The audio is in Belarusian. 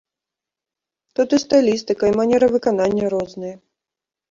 Тут і стылістыка, і манера выканання розныя.